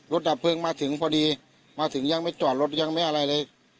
ดับเพลิงมาถึงพอดีมาถึงยังไม่จอดรถยังไม่อะไรเลย